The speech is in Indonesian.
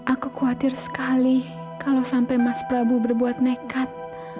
aku khawatir sekali kalau sampai mas prabu berbuat nekat